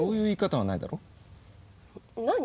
何？